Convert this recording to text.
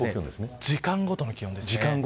時間ごとの気温です。